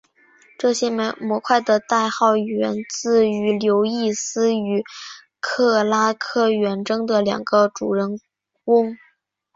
这些模块的代号源自于刘易斯与克拉克远征的两个主人翁。